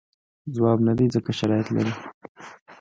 ځواب نه دی ځکه شرایط لري.